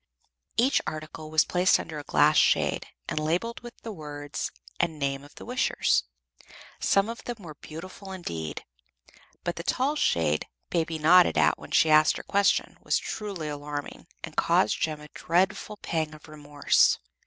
Each article was placed under a glass shade, and labelled with the words and name of the wishers. Some of them were beautiful, indeed; but the tall shade Baby nodded at when she asked her question was truly alarming, and caused Jem a dreadful pang of remorse.